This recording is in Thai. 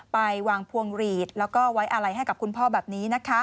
ไปวางพวงหลีดแล้วก็ไว้อะไรให้กับคุณพ่อแบบนี้